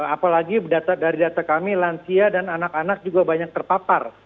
apalagi dari data kami lansia dan anak anak juga banyak terpapar